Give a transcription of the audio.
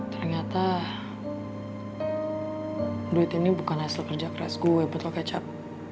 ternyata duit ini bukan hasil kerja keras gue betul kecap